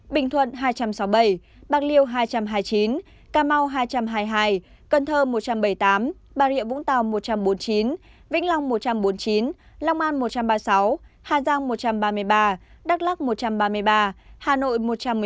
bình thuận hai trăm sáu mươi bảy bạc liêu hai trăm hai mươi chín cà mau hai trăm hai mươi hai cần thơ một trăm bảy mươi tám bà rịa vũng tàu một trăm bốn mươi chín vĩnh long một trăm bốn mươi chín long an một trăm ba mươi sáu hà giang một trăm ba mươi ba đắk lắc một trăm ba mươi ba hà nội một trăm một mươi tám